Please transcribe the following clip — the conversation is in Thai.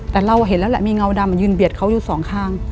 แต่เราเห็นแล้วแหละมีเงาดำยืนเบียดเขาอยู่สองข้าง